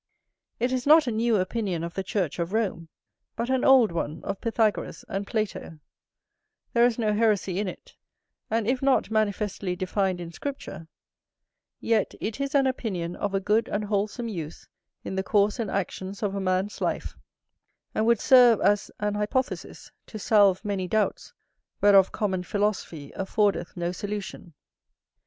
It is not a new opinion of the Church of Rome, but an old one of Pythagoras and Plato: there is no heresy in it: and if not manifestly defined in Scripture, yet it is an opinion of a good and wholesome use in the course and actions of a man's life; and would serve as an hypothesis to salve many doubts, whereof common philosophy affordeth no solution.